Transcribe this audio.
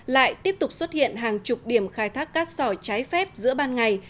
lại tiếp tục xuất hiện hàng chục điểm khai thác cát sỏi trái phép giữa ban ngày